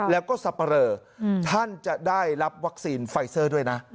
แล้วก็สับปะเรอท่านจะได้รับวัคซีนไฟเซอร์ด้วยนะ